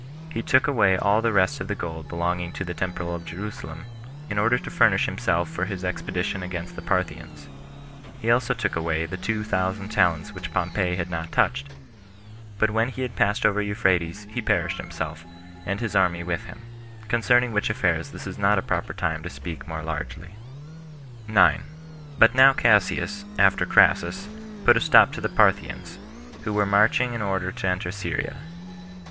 He took away all the rest of the gold belonging to the temple of Jerusalem, in order to furnish himself for his expedition against the Parthians. He also took away the two thousand talents which Pompey had not touched; but when he had passed over Euphrates, he perished himself, and his army with him; concerning which affairs this is not a proper time to speak [more largely]. 9. But now Cassius, after Crassus, put a stop to the Parthians, who were marching in order to enter Syria.